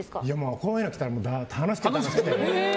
こういうの来たら楽しくて楽しくて。